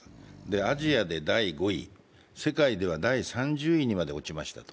アジアで第５位、世界では第３０位にまで落ちました。